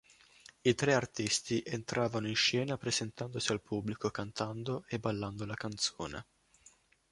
I tre artisti entravano in scena presentandosi al pubblico cantando e ballando la canzone.